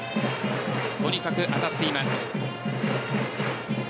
とにかく当たっています。